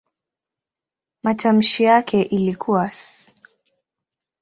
Matamshi yake ilikuwa "s".